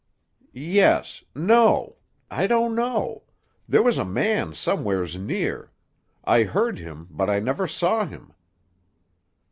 "Yes. No. I don't know. There was a man somewheres near. I heard him, but I never saw him."